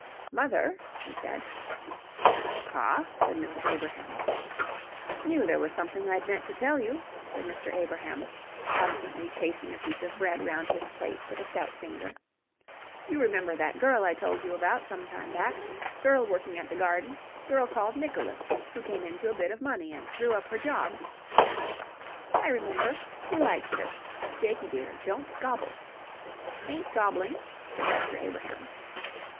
"Mother," he said. "Pa?" said Mrs. Abrahams. "Knew there was something I'd meant to tell you," said Mr. Abrahams, absently chasing a piece of bread round his plate with a stout finger. "You remember that girl I told you about some time back girl working at the Garden girl called Nicholas, who came into a bit of money and threw up her job..." "I remember. You liked her. Jakie, dear, don't gobble." "Ain't gobbling," said Master Abrahams.